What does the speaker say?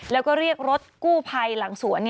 แล้วก็เรียกรถกู้ภัยหลังสวน